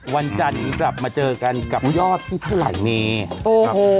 วันจันทร์นี้กลับมาเจอกันกับผู้ยอดที่เท่าไหร่มีโอ้โห